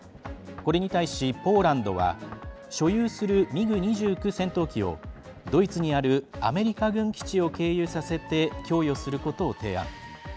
これに対し、ポーランドは所有するミグ２９戦闘機をドイツにあるアメリカ軍基地を経由させて供与することを提案。